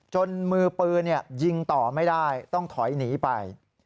มือปืนยิงต่อไม่ได้ต้องถอยหนีไป